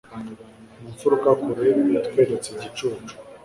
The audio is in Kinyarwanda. Mu mfuruka kure yatweretse igicucu